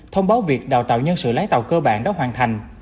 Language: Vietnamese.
thông báo việc đào tạo nhân sự lái tàu cơ bản đã hoàn thành